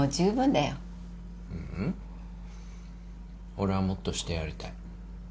俺はもっとしてやりたい。